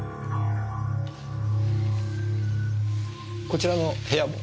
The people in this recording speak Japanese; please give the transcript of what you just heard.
こちらの部屋も。